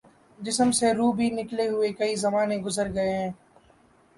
جسم سے روح بھی نکلےہوئے کئی زمانے گزر گے ہیں